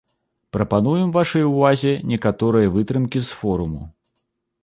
Прапануем вашай увазе некаторыя вытрымкі з форуму.